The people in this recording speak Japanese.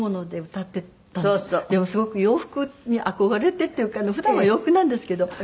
でもすごく洋服に憧れてっていうか普段は洋服なんですけど。